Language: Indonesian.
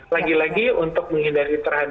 lagi lagi untuk menghindari